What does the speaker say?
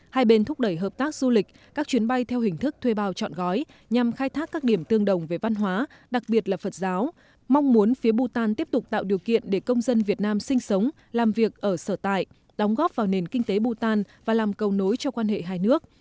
hai bên thúc đẩy hợp tác du lịch các chuyến bay theo hình thức thuê bao chọn gói nhằm khai thác các điểm tương đồng về văn hóa đặc biệt là phật giáo mong muốn phía bhutan tiếp tục tạo điều kiện để công dân việt nam sinh sống làm việc ở sở tại đóng góp vào nền kinh tế bù tàn và làm cầu nối cho quan hệ hai nước